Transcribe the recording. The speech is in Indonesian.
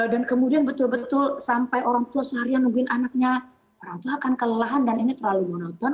dan kemudian betul betul sampai orang tua seharian nungguin anaknya orang tua akan kelelahan dan ini terlalu monoton